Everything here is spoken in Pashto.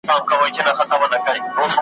ورته مخ به د ناورين او جنازو وي .